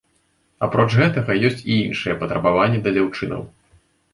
Апроч гэтага ёсць і іншыя патрабаванні да дзяўчынаў.